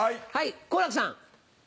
好楽さん。